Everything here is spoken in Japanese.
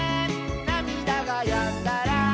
「なみだがやんだら」